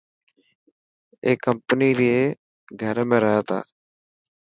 اي ڪمپني ري گهر ۾ رهي تا.